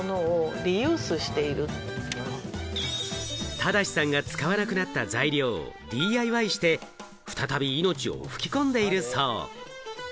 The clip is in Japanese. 正さんが使わなくなった材料をＤＩＹして、再び命を吹き込んでいるそう。